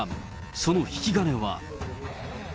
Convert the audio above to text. その引き金は。